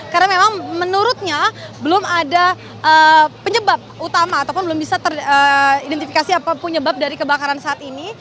karena memang menurutnya belum ada penyebab utama ataupun belum bisa teridentifikasi apa penyebab dari kebakaran saat ini